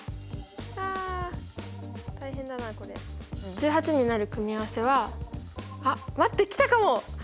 １８になる組み合わせはあっ待ってきたかも！